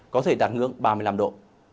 có thể đạt ngưỡng ba mươi năm độ